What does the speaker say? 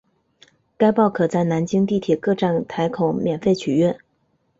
该报可在南京地铁各站台口免费取阅。